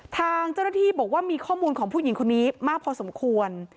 ทางเจ้าหน้าที่บอกว่ามีข้อมูลของผู้หญิงคนนี้มากพอสมควร